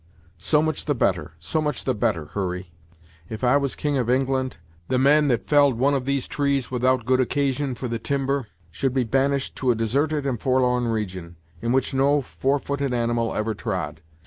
"So much the better, so much the better, Hurry. If I was King of England, the man that felled one of these trees without good occasion for the timber, should be banished to a desarted and forlorn region, in which no fourfooted animal ever trod.